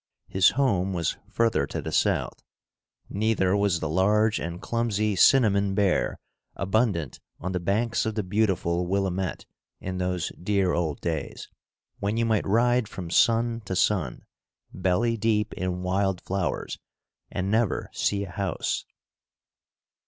His home was further to the south. Neither was the large and clumsy cinnamon bear abundant on the banks of the beautiful Willamette in those dear old days, when you might ride from sun to sun, belly deep in wild flowers, and never see a house.